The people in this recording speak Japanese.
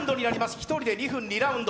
１人で２分２ラウンド。